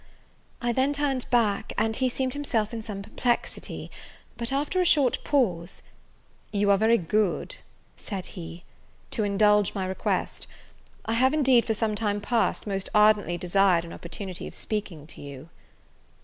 I then turned back; and he seemed himself in some perplexity: but, after a short pause, "You are very good," said he, "to indulge my request; I have, indeed, for some time past, most ardently desired an opportunity of speaking to you."